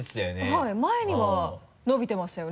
はい前には伸びてましたよね。